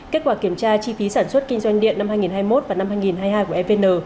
kết quả kiểm tra chi phí sản xuất kinh doanh điện năm hai nghìn hai mươi một và năm hai nghìn hai mươi hai của evn